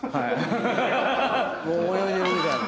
もう泳いでるみたいな。